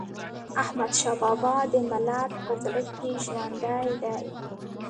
احمدشاه بابا د ملت په زړه کي ژوندی دی.